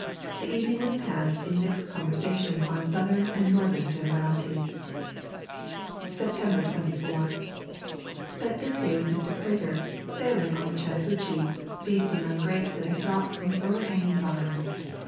The evening was passed in mixed conversation on southern and northern generalities. September 24. Spent this day with Mr. Prater sailing on the Chattahoochee, feasting on grapes that had dropped from the overhanging vines.